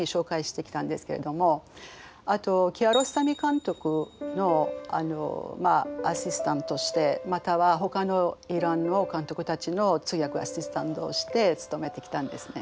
あとキアロスタミ監督のアシスタントしてまたはほかのイランの監督たちの通訳アシスタントをして勤めてきたんですね。